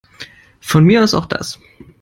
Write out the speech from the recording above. Von mir aus auch das.